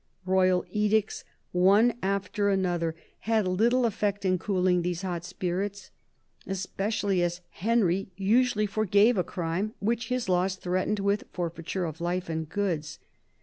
Royal edicts, one after another, had little effect in 32 CARDINAL DE RICHELIEU cooling these hot spirits; especially as Henry usually forgave a crime which his laws threatened with forfeiture of hfe and goods.